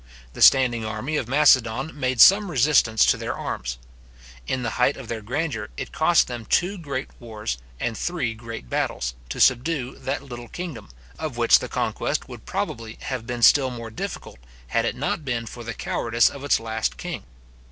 The standing army of Macedon made some resistance to their arms. In the height of their grandeur, it cost them two great wars, and three great battles, to subdue that little kingdom, of which the conquest would probably have been still more difficult, had it not been for the cowardice of its last king.